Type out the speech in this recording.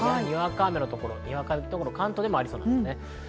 にわか雨の所、にわか雪の所、関東でもありそうです。